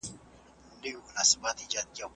ټکنالوژي به بدله شي.